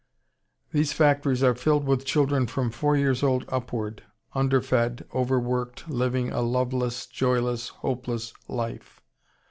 These factories are filled with children from four years old upward, underfed, overworked, living a loveless, joyless, hopeless life.